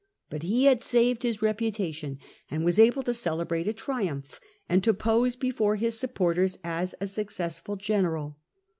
But he had saved his reputation, and was able to celebrate a triumph, and to pose before his supporters as a successful general.